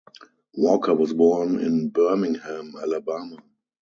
Walker was born in Birmingham, Alabama.